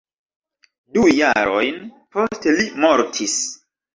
Du jarojn poste li mortis.